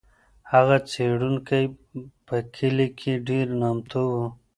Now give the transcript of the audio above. هغه څېړونکی په کلي کې ډېر نامتو و.